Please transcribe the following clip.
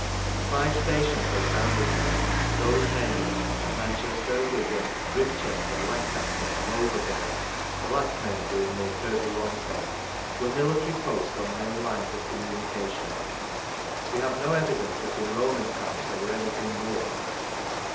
The five stations they founded there those, namely, at Manchester, Wigan, Ribchester, Lancaster, and Overborough (the last named being near Kirkby Lonsdale) were military posts on main lines of com munication; we have no evidence that in Roman times they were anything more.